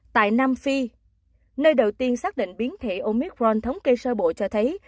tại nam phi nơi đầu tiên xác định biến thể omicron thống kê sơ bộ cho thấy